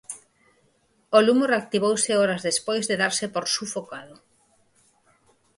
O lume reactivouse horas despois de darse por sufocado.